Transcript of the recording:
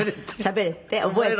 「しゃべれって？覚えて？」